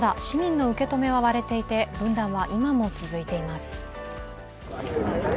市民の受け止めは割れていて、分断は今も続いています。